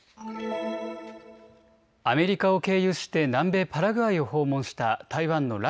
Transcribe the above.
アメリカを経由して南米パラグアイを訪問した台湾の頼